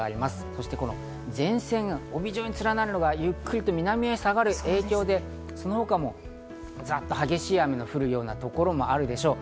そして前線が帯状に連なるのがゆっくり南へ下がる影響で、その他もザッと激しい雨が降るようなところもあるでしょう。